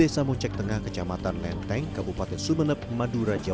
seperti orang menggali sumur